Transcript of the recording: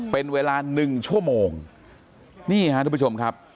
เป็นเวลาหนึ่งชั่วโมงนี่ฮะทุกผู้ชมครับ